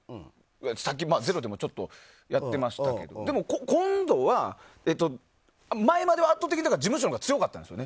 さっき、「ｚｅｒｏ」でもやってましたけど今度は前までは圧倒的に事務所のほうが強かったんですよ。